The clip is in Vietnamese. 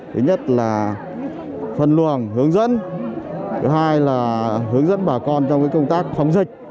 thứ nhất là phân luồng hướng dẫn thứ hai là hướng dẫn bà con trong công tác phòng dịch